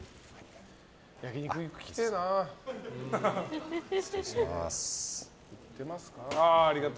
焼き肉、行きてえなあ。